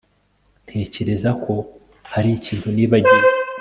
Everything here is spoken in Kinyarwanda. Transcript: Ntekereza ko hari ikintu nibagiwe